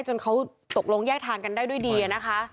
จนเขาตกลงแยกทางกันได้ด้วยดีนะคะ